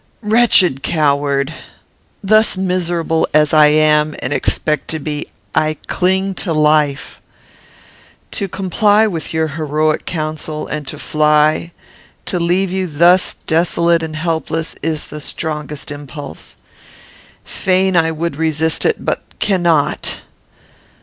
"Wretched coward! Thus miserable as I am and expect to be, I cling to life. To comply with your heroic counsel, and to fly; to leave you thus desolate and helpless, is the strongest impulse. Fain would I resist it, but cannot.